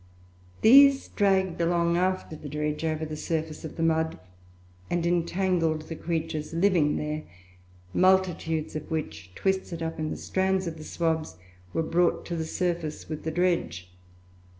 These dragged along after the dredge over the surface of the mud, and entangled the creatures living there multitudes of which, twisted up in the strands of the swabs, were brought to the surface with the dredge.